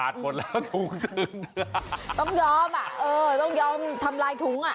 ต้องยอมอ่ะเออต้องยอมทำลายถุงอ่ะ